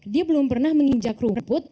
dia belum pernah menginjak rumput